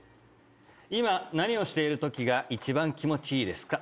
「今何をしている時が１番気持ち良いですか？」